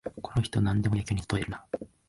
この人、なんでも野球にたとえるな